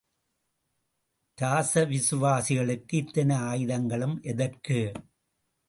ராஜவிசுவாசிகளுக்கு இத்தனை ஆயுதங்களும் எதற்கு?